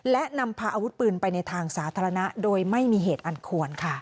และนำพาอาวุธปืนไปในทางสาธารณะโดยไม่มีเหตุอันควรค่ะ